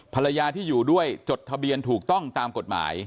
ภรรยาที่อยู่ด้วยจดทะเบียนถูกต้องตามกฎหมาย